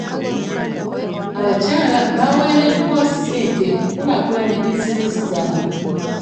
Abakyala baweereddwa ssente okukulaakulanya bizinensi zaabwe.